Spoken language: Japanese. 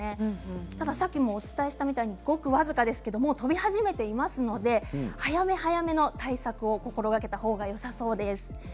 さっきもお伝えしたようにごく僅かですが飛び始めていますので早め早めの対策を心がけた方がよさそうです。